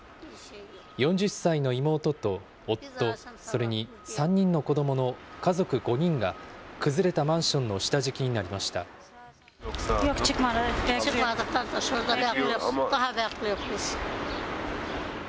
４０歳の妹と夫、それに３人の子どもの家族５人が、崩れたマンションの下敷きになりました。